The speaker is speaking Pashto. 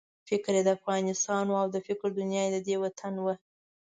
فکر یې د افغانستان وو او د فکر دنیا یې ددې وطن وه.